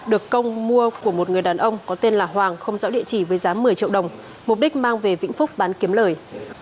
được công mua của một người đàn ông có tên là hoàng không rõ địa chỉ với giá một mươi triệu đồng mục đích mang về vĩnh phúc bán kiếm lời